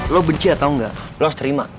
lo benci atau enggak lo harus terima